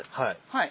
はい。